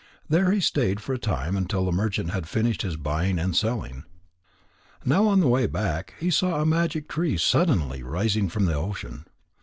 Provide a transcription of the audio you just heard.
There he stayed for a time until the merchant had finished his buying and selling. Now on the way back, he saw a magic tree suddenly rising from the ocean.